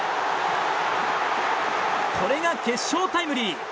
これが決勝タイムリー。